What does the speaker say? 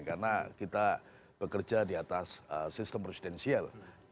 karena kita bekerja di atas sistem presidensial